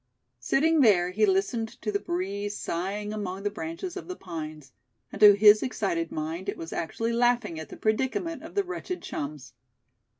Sitting there, he listened to the breeze sighing among the branches of the pines; and to his excited mind it was actually laughing at the predicament of the wretched chums.